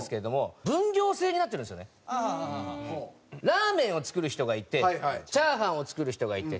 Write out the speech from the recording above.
ラーメンを作る人がいてチャーハンを作る人がいて。